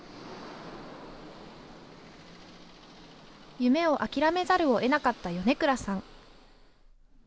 夢を諦めざるを得なかった米倉さん。